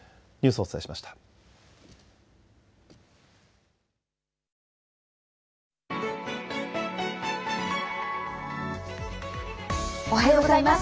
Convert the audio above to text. おはようございます。